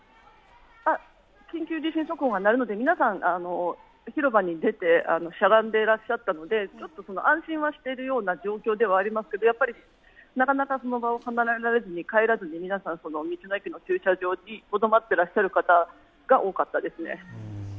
緊急地震速報が鳴るので、皆さん広場に出てしゃがんでいらっしゃったのでちょっと安心はしてるような状況ではありますけどやっぱりなかなかその場を離れられずに、帰らずに道の駅の駐車場にとどまっていらっしゃる方が多かったですね。